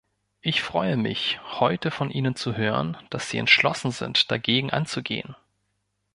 Ich freue mich, heute von Ihnen zu hören, dass Sie entschlossen sind, dagegen anzugehen.